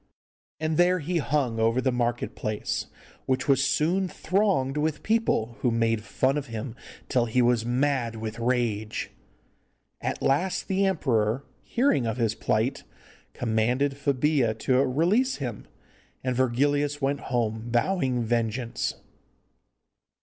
And there he hung over the market place, which was soon thronged with people, who made fun of him till he was mad with rage. At last the emperor, hearing of his plight, commanded Febilla to release him, and Virgilius went home vowing vengeance.